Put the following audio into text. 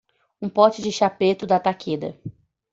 um pote de chá preto da Takeda